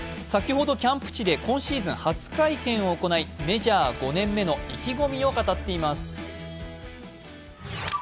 先ほどキャンプ地で今シーズン初会見を行い、メジャー５年目の意気込みを語っています。